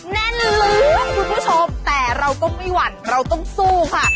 แน่นล้วงคุณผู้ชมแต่เราก็ไม่หวั่นเราต้องสู้ค่ะ